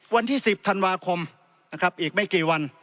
วันที่๑๐ธันวาคมนะครับอีกไม่กี่วัน